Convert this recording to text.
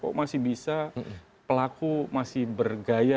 kok masih bisa pelaku masih bergaya